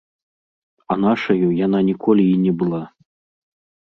А нашаю яна ніколі й не была.